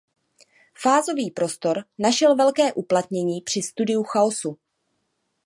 Fázový prostor našel velké uplatnění při studiu chaosu.